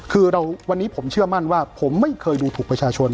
คือวันนี้ผมเชื่อมั่นว่าผมไม่เคยดูถูกประชาชน